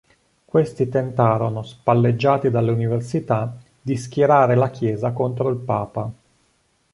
Questi tentarono, spalleggiati dalle università, di schierare la Chiesa contro il Papa.